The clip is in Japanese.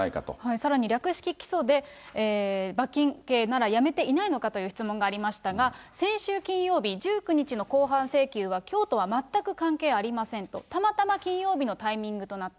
さらに略式起訴で、罰金刑なら辞めていないのかという質問がありましたが、先週金曜日、１９日の公判請求は、きょうとは全く関係ありませんと、たまたま金曜日のタイミングとなった。